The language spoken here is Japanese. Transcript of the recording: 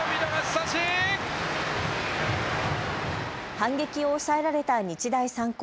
反撃を抑えられた日大三高。